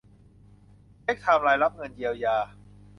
เช็กไทม์ไลน์รับเงินเยียวยา